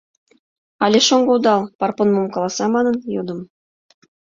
Але шоҥго одал, — Парпон мом каласа манын, йодым.